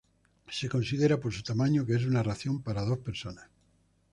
Se considera por su tamaño que es una ración para dos personas.